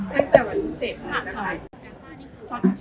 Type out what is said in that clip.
ตั้งแต่วัน๗หรือเปล่าครับคะ